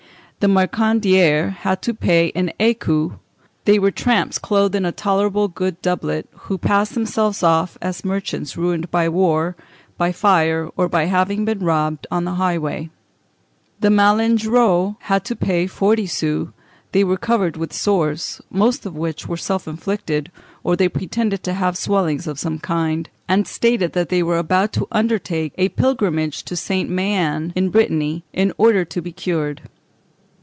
The marcandiers had to pay an écu; they were tramps clothed in a tolerably good doublet, who passed themselves off as merchants ruined by war, by fire, or by having been robbed on the highway. The malingreux had to pay forty sous; they were covered with sores, most of which were self inflicted, or they pretended to have swellings of some kind, and stated that they were about to undertake a pilgrimage to St. Méen, in Brittany, in order to be cured.